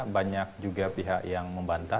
banyak juga pihak yang membantah